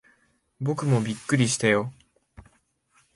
僕もびっくりしたよ。